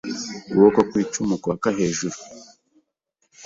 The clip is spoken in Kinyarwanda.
Ukuboko kwicumu kwaka hejuru